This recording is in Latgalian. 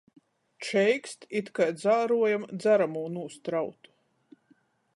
Čeikst, it kai dzāruojam dzaramū nūst rautu.